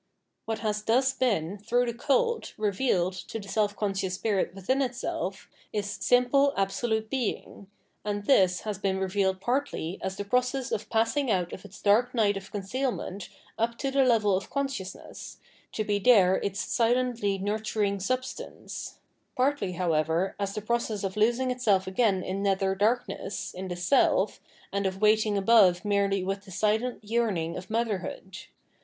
WTiat has thus been, through the cult, revealed to self conscious spirit within itself, is simple absolute 734 Phmomenology of Mind Being ; and this has been revealed partly as the process of passing out of its dark night of concealment up to the level of consciousness, to be there its silently nurturing substance; partly, however, as the process of losing itself again in nether darkness, in the self, and of waiting above merely with the silent yearning of mother hood.